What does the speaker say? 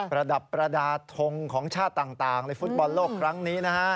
ระดับประดาษทงของชาติต่างในฟุตบอลโลกครั้งนี้นะฮะ